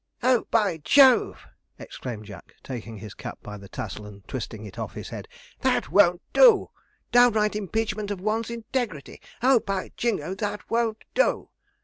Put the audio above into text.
'Oh, by Jove!' exclaimed Jack, taking his cap by the tassel, and twisting it off his head,' that won't do! downright impeachment of one's integrity. Oh, by Jingo! that won't do!'